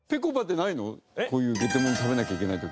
こういうゲテモノ食べなきゃいけない時。